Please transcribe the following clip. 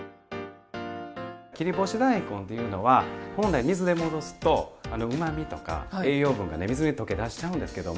切り干し大根っていうのは本来水で戻すとうまみとか栄養分がね水に溶け出しちゃうんですけども。